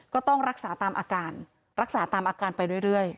ก็ต้องรักษาตามอาการรักษาตามอาการไปเรื่อย